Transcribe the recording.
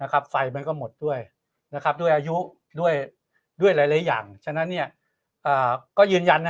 ครับไฟมันก็หมดด้วยนะครับด้วยอายุด้วยด้วยหลายอย่างฉะนั้นเนี่ยก็ยืนยันนะ